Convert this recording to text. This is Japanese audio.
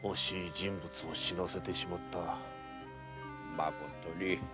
まことに。